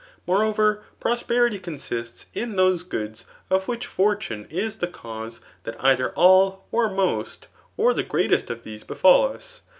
Moreover, prosperity consists in those goods of whicli fortune is the cause that either all, or most, or the great* est o^ difse b^alt tis.